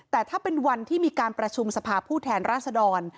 แต่ถ้าเป็นวันที่มีการประชุมสภาผู้แทนราษดร